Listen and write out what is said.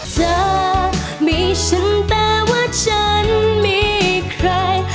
เธอมีฉันแต่ว่าฉันมีใคร